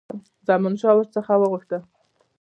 زمانشاه ور څخه وغوښتل.